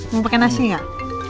mau pake nasi gak